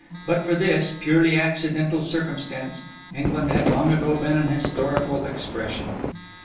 But for this purely accidental circumstance, England had long ago been an historical expression.